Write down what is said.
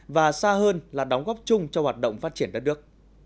và xa hơn là đóng góp chung cho hoạt động phát triển đất nước